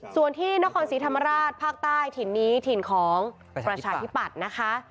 ส่วนที่นครศรีธรรมราชภาคใต้ถิ่นนี้ถิ่นของประชาธิปัตย์นะคะ